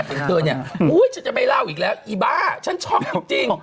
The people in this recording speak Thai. อุ๊ยฉันจะไปเล่าอีกแล้วอีบ้าฉันชอบอย่างจริง